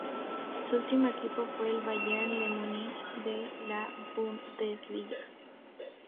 Su último equipo fue el Bayern de Múnich de la Bundesliga.